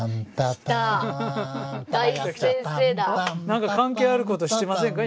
何か関係あることしてませんか？